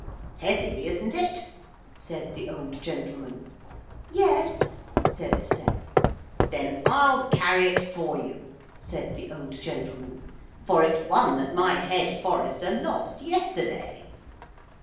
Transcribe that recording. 'Heavy, isn't it?' said the old gentleman. 'Yes,' said Sep. 'Then I'll carry it for you,' said the old gentleman, 'for it's one that my head forester lost yesterday.